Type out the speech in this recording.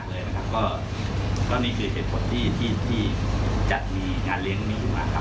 ก็นี่คือเหตุผลที่ที่มีงานเลี้ยงอยู่มาครับ